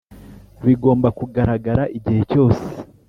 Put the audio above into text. bigomba kugaragara igihe cyose